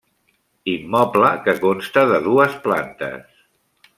Immoble que consta de dues plantes.